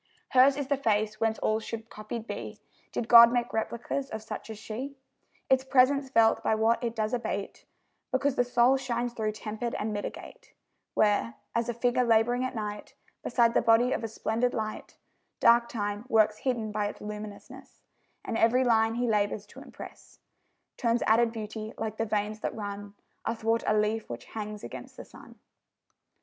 Hers is the face whence all should copied be, Did God make replicas of such as she; Its presence felt by what it does abate, Because the soul shines through tempered and mitigate: Where as a figure labouring at night Beside the body of a splendid light Dark Time works hidden by its luminousness; And every line he labours to impress Turns added beauty, like the veins that run Athwart a leaf which hangs against the sun.